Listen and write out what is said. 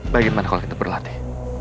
bagaimana kalau kita berlatih